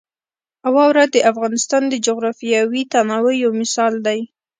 واوره د افغانستان د جغرافیوي تنوع یو مثال دی.